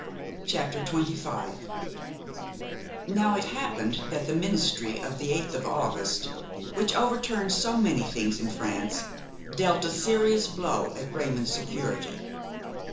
PART FOURTH XXV Now it happened that the ministry of the 8th of August, which overturned so many things in France, dealt a serious blow at Raymon's security.